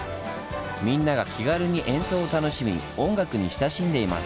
みんなが気軽に演奏を楽しみ音楽に親しんでいます。